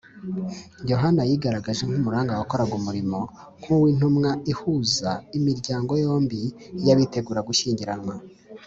Yohana yigaragaje nk’umuranga wakoraga umurimo nk’uw’intumwa ihuza imiryango yombi, y’abitegura gushyingiranwa